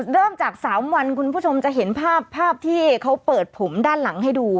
เริ่มจาก๓วันคุณผู้ชมจะเห็นภาพภาพที่เขาเปิดผมด้านหลังให้ดู